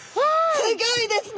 すギョいですね！